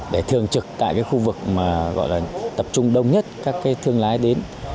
để thường trực tại khu vực tập trung đông nhất các thương lái đến